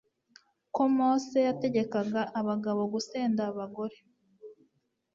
ko mose yategekaga abagabo gusenda abagore